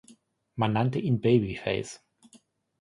Man nannte ihn Babyface.